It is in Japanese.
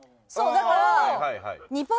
だから。